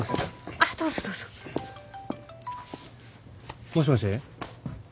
あっどうぞどうぞ。もしもし。